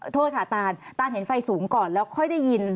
โทษค่ะตานตานเห็นไฟสูงก่อนแล้วค่อยได้ยิน